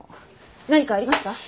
何かありました？